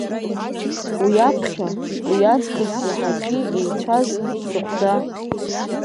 Уи аԥхьа, уиаҵкыс иаҳагьы еицәаз, Мсыгәда…